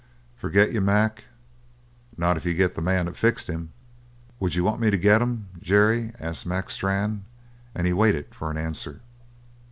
"Forget you, Mac? Not if you get the man that fixed him." "Would you want me to get him, Jerry?" asked Mac Strann. And he waited for an answer.